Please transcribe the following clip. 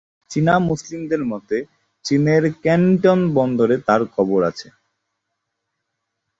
চীনা মুসলিমদের মতে চীনের ক্যান্টন বন্দরে তার কবর আছে।